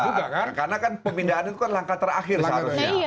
karena kan pemindahan itu kan langkah terakhir seharusnya